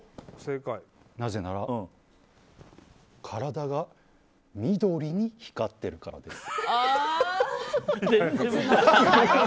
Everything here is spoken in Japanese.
なぜなら体が緑に光ってるからです。